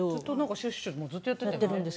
シュッシュもずっとやってたよね？